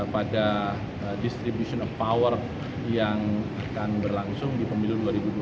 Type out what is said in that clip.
pada distribution of power yang akan berlangsung di pemilu dua ribu dua puluh